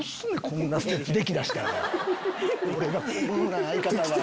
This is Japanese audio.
こんなん相方が。